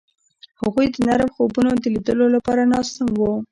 هغوی د نرم خوبونو د لیدلو لپاره ناست هم وو.